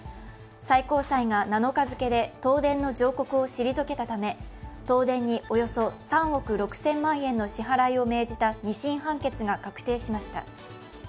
最高裁が７日付で東電の上告を退けたため東電におよそ３億６０００万円の支払いを命じた２審判決が確定しました。